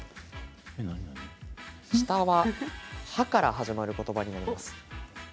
下は「は」から始まることばになります。